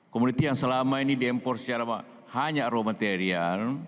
komuniti yang selama ini di empor secara hanya raw material